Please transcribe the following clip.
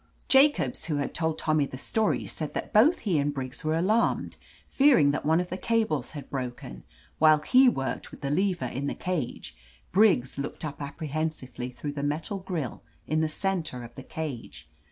Jacobs, who had told Tommy the story, said that both he and Briggs were alarmed, fearing that one of the cables had broken; while he worked with the lever in the cage, Briggs looked up apprehensively through the metal grill in the center of the cage.